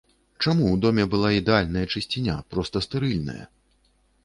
Чаму ў доме была ідэальная чысціня, проста стэрыльная?